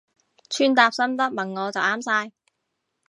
穿搭心得問我就啱晒